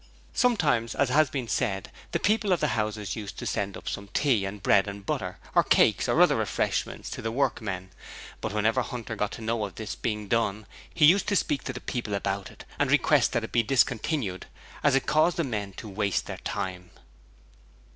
Sometimes, as has been said, the people of the house used to send up some tea and bread and butter or cakes or other refreshments to the workmen, but whenever Hunter got to know of it being done he used to speak to the people about it and request that it be discontinued, as it caused the men to waste their time.